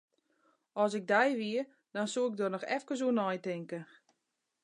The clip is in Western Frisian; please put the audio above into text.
As ik dy wie, dan soe ik der noch efkes oer neitinke.